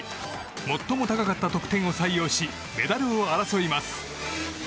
最も高かった得点を採用しメダルを争います。